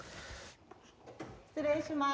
失礼します。